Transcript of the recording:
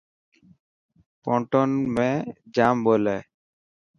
پونٽون ۾ جام ٻولي.